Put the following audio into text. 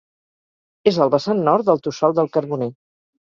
És al vessant nord del Tossal del Carboner.